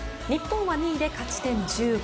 日本は２位で勝ち点１５。